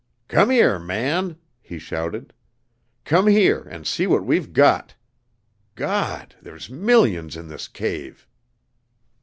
"Come here, man," he shouted. "Come here and see what we've got. God! there's millions in this cave!"